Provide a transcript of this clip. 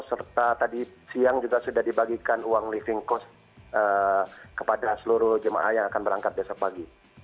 serta tadi siang juga sudah dibagikan uang living cost kepada seluruh jemaah yang akan berangkat besok pagi